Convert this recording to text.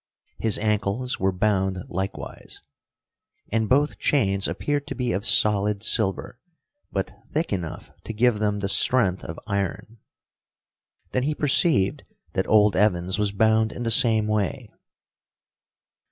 His ankles were bound likewise. And both chains appeared to be of solid silver, but thick enough to give them the strength of iron! Then he perceived that old Evans was bound in the same way.